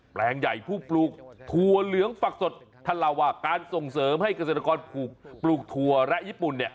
แปลงใหญ่ผู้ปลูกถั่วเหลืองฝักสดท่านเล่าว่าการส่งเสริมให้เกษตรกรปลูกถั่วและญี่ปุ่นเนี่ย